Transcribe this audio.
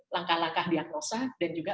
langkah langkah diagnosa dan juga